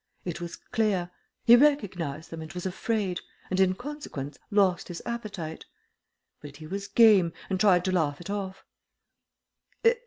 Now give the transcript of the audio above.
It was clear. He recognized them and was afraid, and in consequence lost his appetite. But he was game, and tried to laugh it off.